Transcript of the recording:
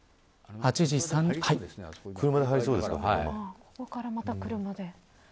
ここからまた車で。